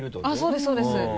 そうですそうです。